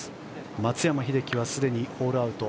松山英樹はすでにホールアウト。